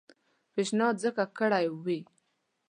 پېشنهاد ځکه کړی وي.